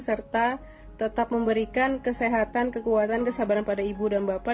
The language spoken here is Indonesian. serta tetap memberikan kesehatan kekuatan kesabaran pada ibu dan bapak